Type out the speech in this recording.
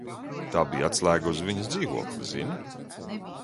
Tā bija atslēga uz viņas dzīvokli Zini?